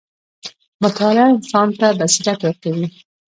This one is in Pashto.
• مطالعه انسان ته بصیرت ورکوي.